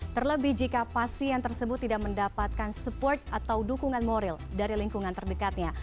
terlebih jika pasien tersebut tidak mendapatkan support atau dukungan moral dari lingkungan terdekatnya